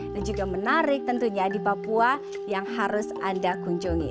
dan juga menarik tentunya di papua yang harus anda kunjungi